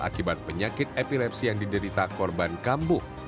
akibat penyakit epilepsi yang diderita korban kambuh